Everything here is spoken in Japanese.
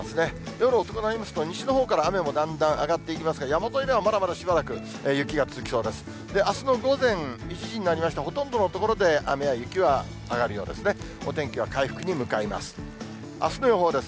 夜遅くなりますと、西のほうから雨もだんだん上がっていきますが、山沿いではまだまだしばらく雪が続きそうです。